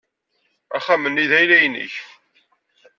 Axxam-nni d ayla-nnek.